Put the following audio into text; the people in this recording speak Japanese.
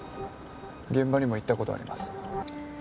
現場にも行ったことあります